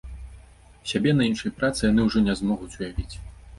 Сябе на іншай працы яны ўжо не змогуць уявіць.